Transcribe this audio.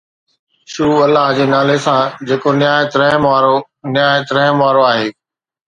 شروع الله جي نالي سان جيڪو نهايت رحم وارو نهايت رحم وارو آهي